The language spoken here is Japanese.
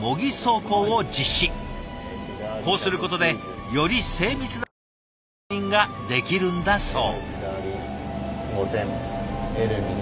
こうすることでより精密な動作の確認ができるんだそう。